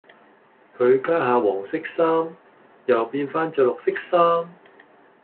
佢家下黃色衫，又變返著綠色衫